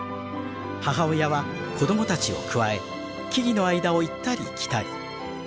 母親は子供たちをくわえ木々の間を行ったり来たり。